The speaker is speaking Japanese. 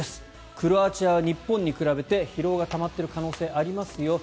クロアチアは日本に比べて疲労がたまってる可能性がありますよと。